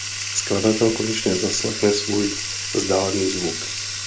Skladatel konečně zaslechne svůj "vzdálený zvuk".